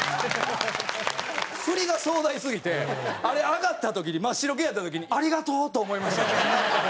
振りが壮大すぎてあれ上がった時に真っ白けやった時にありがとうと思いましたね。